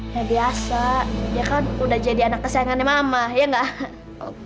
kayak biasa dia kan udah jadi anak kesayangannya mama ya enggak